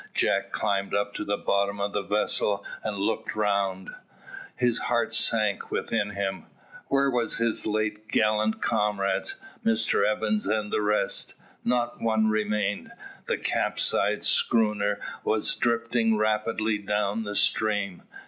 Jack climbed up to the bottom of the vessel and looked around. His heart sank within him. Where were his late gallant comrades, Mr Evans and the rest? Not one remained. The capsized schooner was drifting rapidly down the stream.